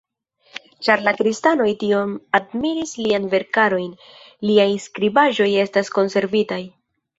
Ĉar la kristanoj tiom admiris lian verkaron, liaj skribaĵoj estas konservitaj.